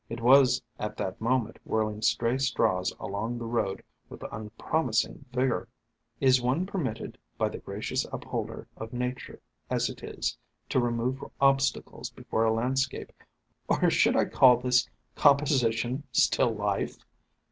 It was at that moment whirling stray straws along the road with unpromising vigor. "Is one permitted, by the gracious Upholder of Nature as it is, to remove obstacles before a landscape, or perhaps I should call this composi tion * still life'?"